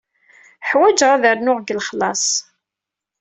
Ḥwajeɣ ad rnuɣ deg lexlaṣ.